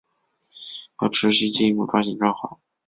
要持续进一步抓紧抓好